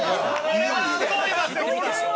「これはすごい汗ですわ」